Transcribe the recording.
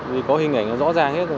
vì có hình ảnh là rõ ràng hết rồi